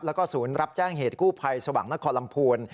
แล้วก็ศูนย์รับแจ้งเหตุกู้ภัยสว่างนครลำพูน